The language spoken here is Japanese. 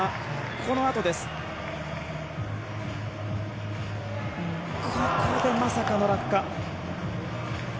ここでまさかの落下。